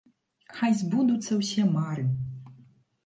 Хай збудуцца ўсе мары!